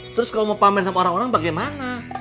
terus kalau mau pamer sama orang orang bagaimana